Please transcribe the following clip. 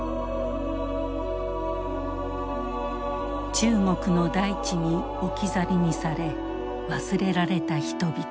中国の大地に置き去りにされ忘れられた人々。